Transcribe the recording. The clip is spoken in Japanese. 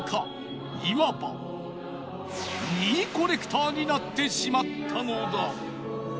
いわば２位コレクターになってしまったのだ。